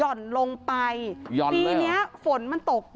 หย่อนลงไปปีนี้ฝนมันตกเยอะ